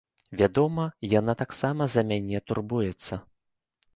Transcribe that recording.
Вядома, яна таксама за мяне турбуецца.